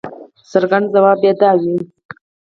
څرګند ځواب به یې دا وي.